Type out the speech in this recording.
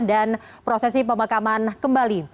dan proses pemakaman kembali